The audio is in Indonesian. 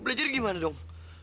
belajar gimana dong